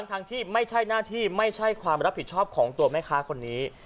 ทั้งที่ไม่ใช่หน้าที่ไม่ใช่ความรับผิดชอบของตัวแม่ค้าคนนี้